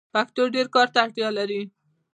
پښتو ډير کار ته اړتیا لري.